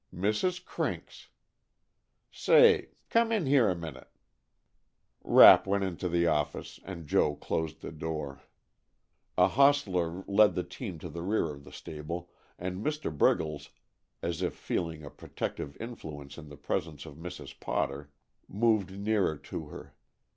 Mrs. Crink's! Say, come in here a minute." Rapp went into the office and Joe closed the door. A hostler led the team to the rear of the stable, and Mr. Briggles, as if feeling a protective influence in the presence of Mrs. Potter, moved nearer to her.